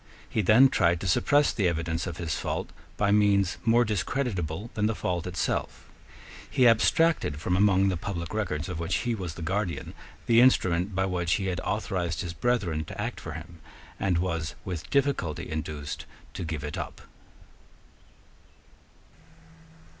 He then tried to suppress the evidence of his fault by means more discreditable than the fault itself. He abstracted from among the public records of which he was the guardian the instrument by which he had authorised his brethren to act for him, and was with difficulty induced to give it up.